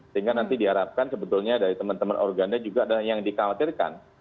sehingga nanti diharapkan sebetulnya dari teman teman organda juga ada yang dikhawatirkan